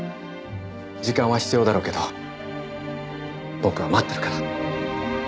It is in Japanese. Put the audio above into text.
時間は必要だろうけど僕は待ってるから。